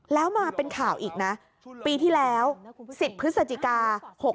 แล้วมาเป็นข่าวอีกนะปีที่แล้ว๑๐พฤศจิกา๖๖